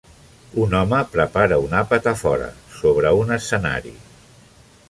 Un home prepara un àpat a fora, sobre un escenari.